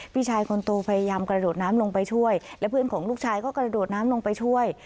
พี่ชายคนโตพยายามกระโดดน้ำลงไปช่วยและเพื่อนของลูกชายก็กระโดดน้ำลงไปช่วย